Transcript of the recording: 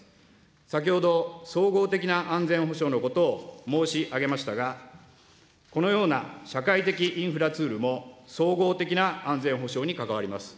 先ほど、総合的な安全保障のことを申し上げましたが、このような社会的インフラツールも、総合的な安全保障に関わります。